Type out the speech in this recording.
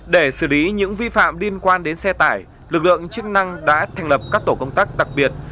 để xử lý những vi phạm liên quan đến xe tải lực lượng chức năng đã thành lập các tổ công tác đặc biệt